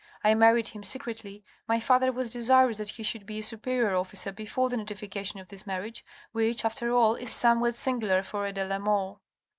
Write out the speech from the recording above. I married him secretly, my father was desirous that he should be a superior officer before the notification of this marriage, which, after all, is somewhat singular for a de la Mole."